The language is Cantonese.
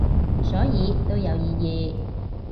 所以都有意義